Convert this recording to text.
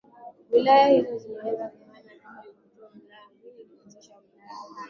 Wilaya hizo ziligawanywa kama ifuatavyo Wilaya ya Mbulu ilianzisha Wilaya ya Hanang